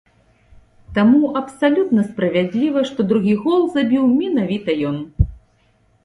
Таму абсалютна справядліва, што другі гол забіў менавіта ён.